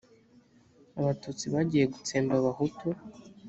abatutsi bagiye gutsemba abahutu